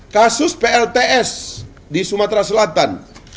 kasus plts di sumatera selatan